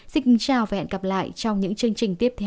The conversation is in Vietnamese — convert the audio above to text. xin kính chào và hẹn gặp lại trong những chương trình tiếp theo